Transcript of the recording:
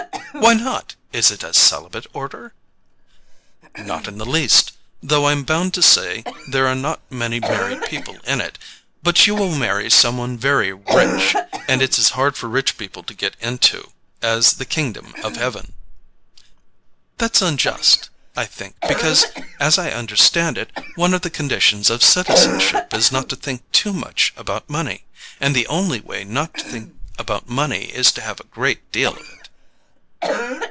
"Why not? Is it a celibate order?" "Not in the least, though I'm bound to say there are not many married people in it. But you will marry some one very rich, and it's as hard for rich people to get into as the kingdom of heaven." "That's unjust, I think, because, as I understand it, one of the conditions of citizenship is not to think too much about money, and the only way not to think about money is to have a great deal of it."